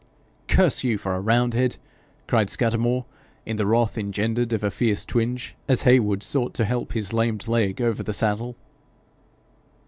'Curse you for a roundhead!' cried Scudamore, in the wrath engendered of a fierce twinge, as Heywood sought to help his lamed leg over the saddle.